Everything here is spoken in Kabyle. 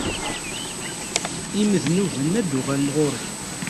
Imednuben ad d-uɣalen ɣur-k.